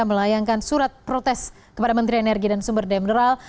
melayangkan surat protes kepada menteri energi dan sumber demoneral